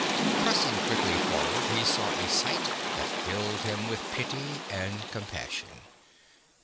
Pressing quickly forward he saw a sight that filled him with pity and compassion.